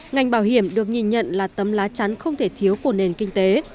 ngành bảo hiểm được nhìn nhận là tấm lá chắn không thể thiếu của nền kinh tế